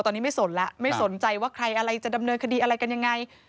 ตอนนี้ไม่สนแล้วไม่สนใจว่าใครอะไรจะดำเนินคดีอะไรกันยังไง